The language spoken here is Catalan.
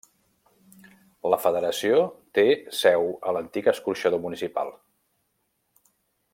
La Federació té seu a l'antic Escorxador Municipal.